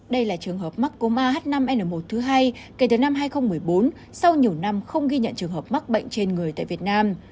đây là trường hợp mắc cú ma h năm n một thứ hai kể từ năm hai nghìn một mươi bốn sau nhiều năm không ghi nhận trường hợp mắc bệnh trên người tại việt nam